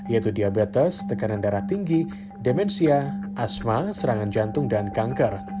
yaitu diabetes tekanan darah tinggi demensia asma serangan jantung dan kanker